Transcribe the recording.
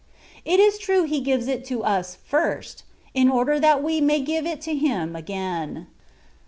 It is true He gives it to us first, in order that we may give it to Him again.